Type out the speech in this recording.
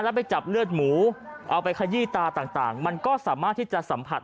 แล้วไปจับเลือดหมูเอาไปขยี้ตาต่างมันก็สามารถที่จะสัมผัส